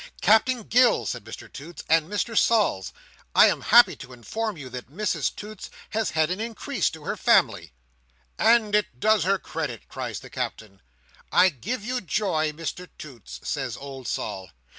"Captain Gills," says Mr Toots, "and Mr Sols, I am happy to inform you that Mrs Toots has had an increase to her family." "And it does her credit!" cries the Captain. "I give you joy, Mr Toots!" says old Sol.